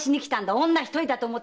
女一人だと思ってさ！